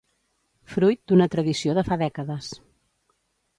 fruit d'una tradició de fa dècades